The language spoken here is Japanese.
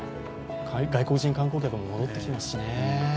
外国人観光客も戻ってきていますしね。